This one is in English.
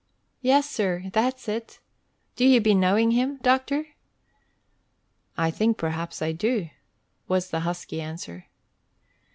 "Yes, sir; that's it. Do ye be knowing him, doctor?" "I think perhaps I do," was the husky answer.